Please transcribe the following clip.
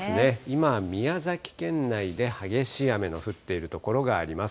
今、宮崎県内で激しい雨の降っている所があります。